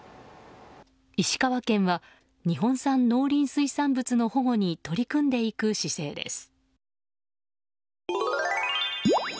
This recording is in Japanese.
石川県は日本産農林水産物の保護に取り組んでいく姿勢です。